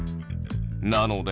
なので。